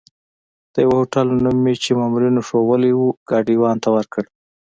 د یوه هوټل نوم مې چې مامورینو ښوولی وو، ګاډیوان ته ورکړ.